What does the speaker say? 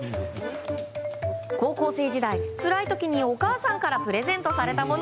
高校生時代、つらい時にお母さんからプレゼントされたもの。